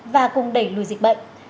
và cùng đẩy lùi dịch bệnh